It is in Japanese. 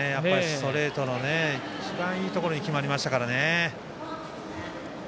ストレートが一番いいところに決まりましたからね。